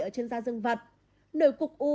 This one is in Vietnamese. ở trên da dương vật nổi cục u